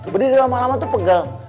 berdiri lama lama tuh pegel